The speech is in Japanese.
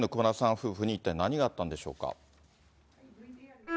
夫婦に一体何があったんでしょうか。